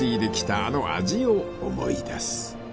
あの味を思い出す］